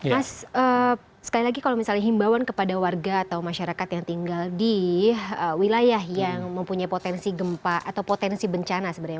mas sekali lagi kalau misalnya himbawan kepada warga atau masyarakat yang tinggal di wilayah yang mempunyai potensi gempa atau potensi bencana sebenarnya